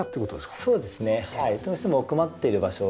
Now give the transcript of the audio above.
どうしても奥まっている場所